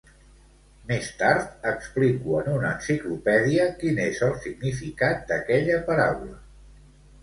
Més tard explico en una enciclopèdia quin és el significat d'aquella paraula.